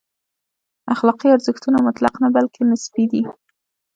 اخلاقي ارزښتونه مطلق نه، بلکې نسبي دي.